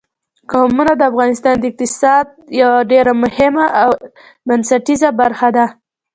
قومونه د افغانستان د اقتصاد یوه ډېره مهمه او بنسټیزه برخه ده.